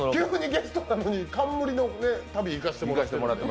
ゲストなのに冠の旅行かせてもらって